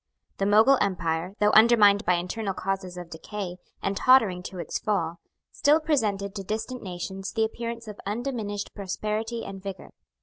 The Mogul empire, though undermined by internal causes of decay, and tottering to its fall, still presented to distant nations the appearance of undiminished prosperity and vigour.